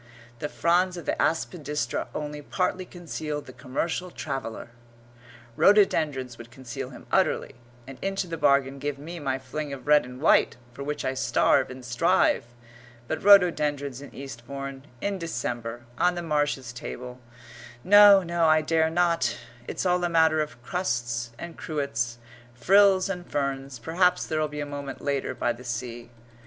"The fronds of the aspidistra only partly concealed the commercial traveller " Rhododendrons would conceal him utterly, and into the bargain give me my fling of red and white, for which I starve and strive; but rhododendrons in Eastbourne in December on the Marshes' table no, no, I dare not; it's all a matter of crusts and cruets, frills and ferns. Perhaps there'll be a moment later by the sea.